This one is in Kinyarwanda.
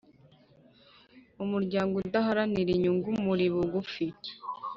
umuryango udaharanira inyungu umuri bugufi.